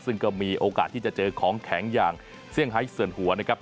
ซึ่งก็มีโอกาสที่จะเจอของแข็งอย่างเซี่ยงไฮส่วนหัวนะครับ